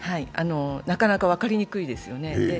なかなか分かりにくいですよね。